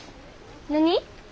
何？